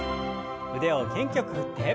腕を元気よく振って。